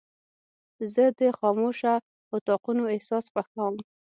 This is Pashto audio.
زه د خاموشو اتاقونو احساس خوښوم.